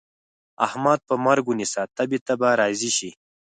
احمد په مرګ ونيسه؛ تبې ته به راضي شي.